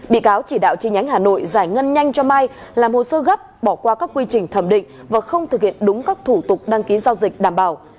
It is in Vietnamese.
bị cáo chỉ đạo chi nhánh hà nội giải ngân nhanh cho mai làm hồ sơ gấp bỏ qua các quy trình thẩm định và không thực hiện đúng các thủ tục đăng ký giao dịch đảm bảo